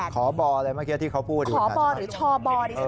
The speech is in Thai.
ข้อบอร์หรือช่อบอร์